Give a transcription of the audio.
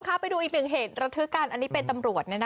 ค่ะไปดูอีก๑เหตุรัทำการอันนี้เป็นตำรวจนะคะ